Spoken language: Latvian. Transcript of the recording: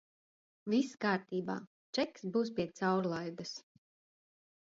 Viss kārtībā, čeks būs pie caurlaides.